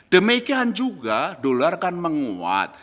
demikian juga dolar kan menguat